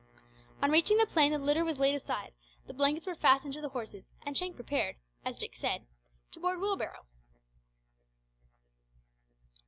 On reaching the plain the litter was laid aside, the blankets were fastened to the horses, and Shank prepared, as Dick said, to board Wheelbarrow.